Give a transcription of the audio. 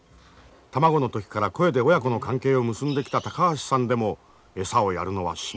卵の時から声で親子の関係を結んできた高橋さんでも餌をやるのは至難の業だ。